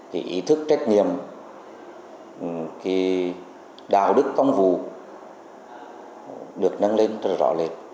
thì ý thức trách nhiệm thì đạo đức công vụ được nâng lên rất là rõ lệch